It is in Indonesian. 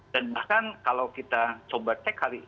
dan bahkan kalau kita coba cek hari ini